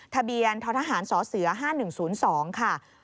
ทะเบียนททหารสเส๕๑๐๒ค่ะ